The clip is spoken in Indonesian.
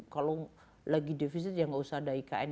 kalau lagi defisit ya nggak usah ada ikn